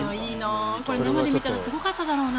生で見たらすごかっただろうな。